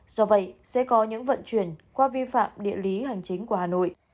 do vậy sẽ có những vận chuyển qua vi phạm địa lý hành chính của hà nội